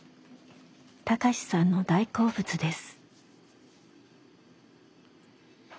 貴志さんの大好物です。